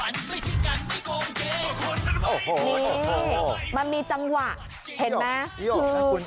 นี่มันมีจังหวะเห็นไหม